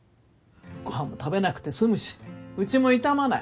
ご飯も食べなくて済むしうちも傷まない。